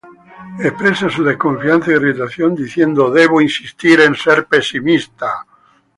Expresa su desconfianza e irritación diciendo: "Debo insistir en ser pesimista".